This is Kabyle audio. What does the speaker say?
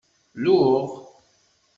Luɣ.